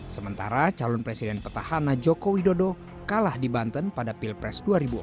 sementara calon presiden petahana joko widodo kalah di banten pada pilpres dua ribu empat belas